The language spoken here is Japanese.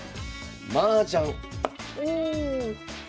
おおマージャン。